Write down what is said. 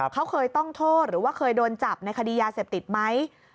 เขาเคยต้องโทษหรือว่าเคยโดนจับในคดียาเสพติดไหม